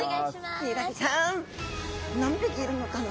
ヒイラギちゃん。何匹いるのかな。